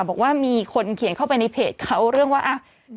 บอกว่ามีคนเขียนเข้าไปในเพจเขาเรื่องว่าอ่ะ